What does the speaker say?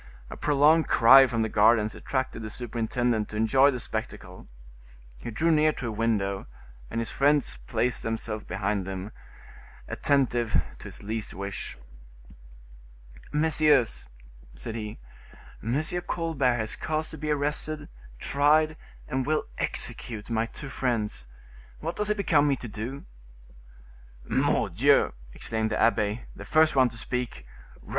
A prolonged cry from the gardens attracted the superintendent to enjoy the spectacle. He drew near to a window, and his friends placed themselves behind him, attentive to his least wish. "Messieurs," said he, "M. Colbert has caused to be arrested, tried and will execute my two friends; what does it become me to do?" "Mordieu!" exclaimed the abbe, the first one to speak, "run M.